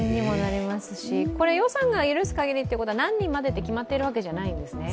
予算が許すかぎりということは何人までって決まってるわけじゃないんですね。